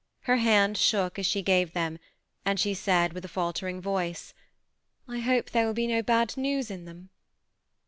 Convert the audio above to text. Her hand shook as she gave them, and she said, with a faltering voice, ^^ I hope there will be no bad news in them.